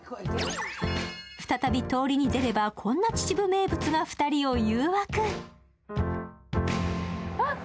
再び通りに出ればこんな秩父名物が２人を誘惑。